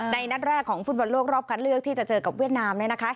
นัดแรกของฟุตบอลโลกรอบคัดเลือกที่จะเจอกับเวียดนาม